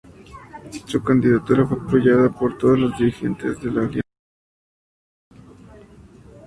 Su candidatura fue apoyada por todos los dirigentes de la alianza.